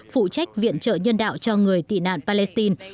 phụ trách viện trợ nhân đạo cho người tị nạn palestine